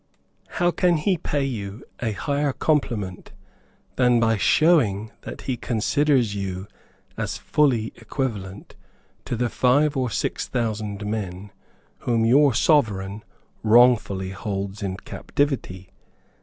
How can he pay you a higher compliment than by showing that he considers you as fully equivalent to the five or six thousand men whom your sovereign wrongfully holds in captivity?